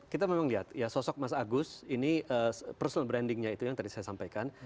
kita memang lihat ya sosok mas agus ini personal brandingnya itu yang tadi saya sampaikan